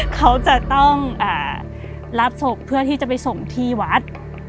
เขาจะต้องรับศพเพื่อที่จะไปส่งที่วัด